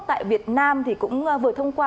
tại việt nam thì cũng vừa thông qua